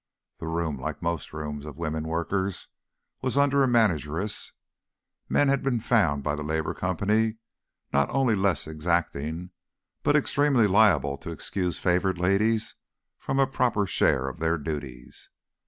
The room, like most rooms of women workers, was under a manageress: men had been found by the Labour Company not only less exacting but extremely liable to excuse favoured ladies from a proper share of their duties.